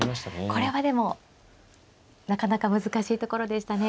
これはでもなかなか難しいところでしたね。